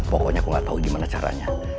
pokoknya aku nggak tahu gimana caranya